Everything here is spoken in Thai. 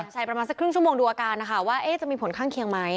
ใช่ประมาณสักครึ่งชั่วโมงดูอาการนะคะว่าจะมีผลข้างเคียงไหม